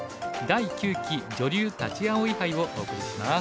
第９期女流立葵杯」をお送りします。